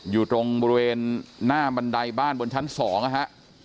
อยู่ตรงบริเวณหน้าบันไดบ้านบนชั้น๒นะฮะ